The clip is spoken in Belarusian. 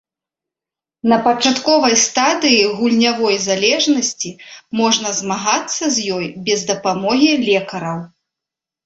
На пачатковай стадыі гульнявой залежнасці можна змагацца з ёй без дапамогі лекараў.